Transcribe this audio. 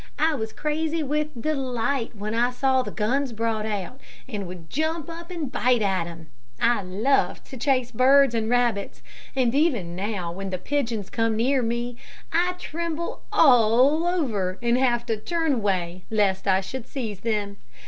I was crazy with delight when I saw the guns brought out, and would jump up and bite at them. I loved to chase birds and rabbits, and even now when the pigeons come near me, I tremble all over and have to turn away lest I should seize them.